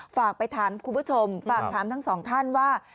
ฝากไปถามคุณผู้ชมฝากถามทั้งสองท่านว่า